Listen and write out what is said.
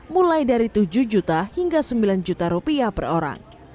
mulai dari tujuh juta hingga sembilan juta rupiah per orang